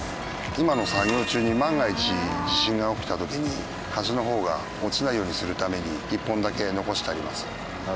今の作業中に万が一地震が起きた時に橋の方が落ちないようにするために１本だけ残してあります。